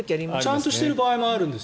ちゃんとしてる場合もあるんです。